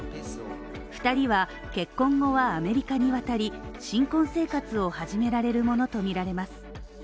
２人は結婚後はアメリカに渡り新婚生活を始められるものとみられます。